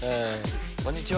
こんにちは。